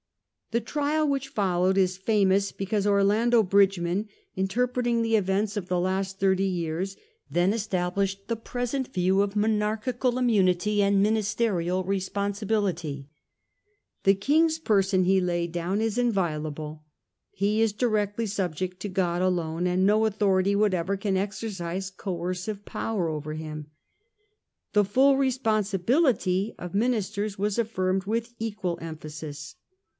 The* trial which followed is famous because Orlando 1660. Settlement of the Land ' 89 Bridgeman, interpreting the events of the last thirty years, then established the present view of monarchical Trial of the immunity and ministerial responsibility. The regicides, king's person, he laid down, is inviolable ; he is directly subject to God alone ; and no authority what soever can exercise coercive power over him. The full re sponsibility of ministers was affirmed with equal emphasis.